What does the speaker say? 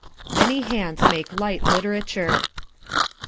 Many hands make light literature.